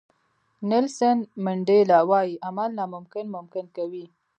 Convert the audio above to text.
نیلسن منډیلا وایي عمل ناممکن ممکن کوي.